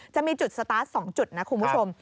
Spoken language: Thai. จะมีจุดสตาร์ท๒จุดนะคุณผู้ชม